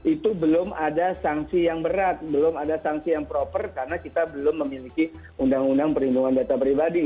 itu belum ada sanksi yang berat belum ada sanksi yang proper karena kita belum memiliki undang undang perlindungan data pribadi